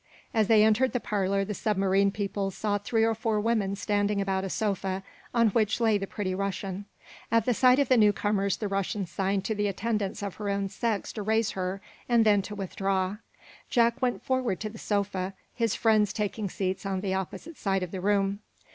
As they entered the parlor the submarine people saw three or four women standing about a sofa on which lay the pretty Russian. At sight of the newcomers the Russian signed to the attendants of her own sex to raise her, and then to withdraw. Jack went forward to the sofa, his friends taking seats on the opposite side of the room.